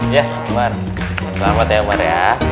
ya umar selamat ya umar ya